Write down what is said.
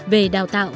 về đào tạo